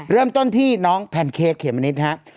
เริ่มต้นที่น้องแพนเคกเขียนมานิดฮะ